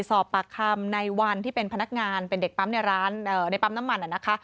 สอบปากคำในวันที่เป็นพนักงานเป็นเด็กปั๊มในร้านในปั๊มน้ำมันนะคะ